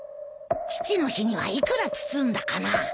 父の日には幾ら包んだかな？